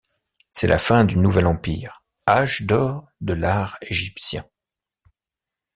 C'est la fin du Nouvel Empire, âge d'or de l'art égyptien.